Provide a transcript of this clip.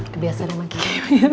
kebiasa emang kiki